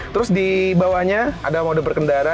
terus di bawahnya ada mode berkendara